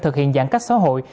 thực hiện giãn cách xã hội